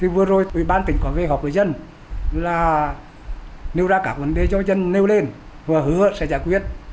vừa rồi ủy ban tỉnh quảng vệ họp với dân là nêu ra các vấn đề cho dân nêu lên và hứa sẽ giải quyết